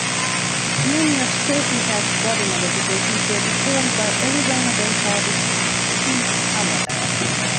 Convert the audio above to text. Many of Stalking Cat's body modifications were performed by Arizona-based artist Steve Haworth.